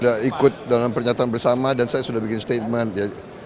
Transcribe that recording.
sudah ikut dalam pernyataan bersama dan saya sudah bikin statement ya